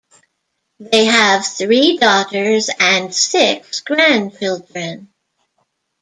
They have three daughters and six grandchildren.